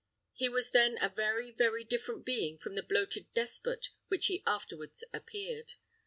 He was then a very, very different being from the bloated despot which he afterwards appeared.